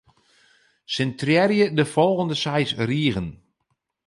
Sintrearje de folgjende seis rigen.